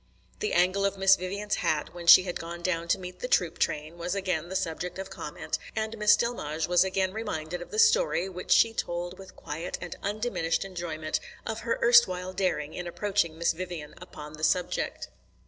The angle of Miss Vivian's hat, when she had gone down to meet the troop train, was again the subject of comment, and Miss Delmege was again reminded of the story, which she told with quiet and undiminished enjoyment, of her erstwhile daring in approaching Miss Vivian upon the subject.